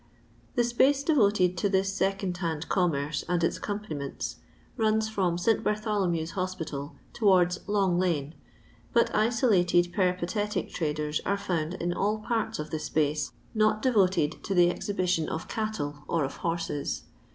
The space devoted to this second hand com merce and its accompaniments, runs from St. Bartholomew's Hospital towards Long lane, but isolated peripatetic traders are found in all parts of the space not devoted to the exhibition of cattle or of horses.